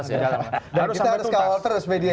harus kawal terus media ya